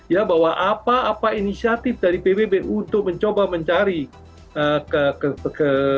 ya bahwa apa apa inisiatif dari pbb untuk mencoba mencari ke